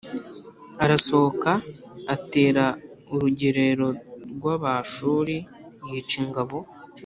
arasohoka atera urugerero rw Abashuri yica ingabo